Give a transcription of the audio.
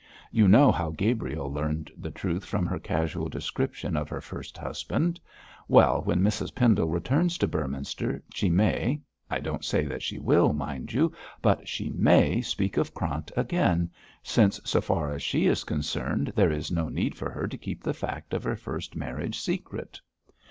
You know how Gabriel learned the truth from her casual description of her first husband. Well, when Mrs Pendle returns to Beorminster, she may I don't say that she will, mind you but she may speak of Krant again, since, so far as she is concerned, there is no need for her to keep the fact of her first marriage secret.'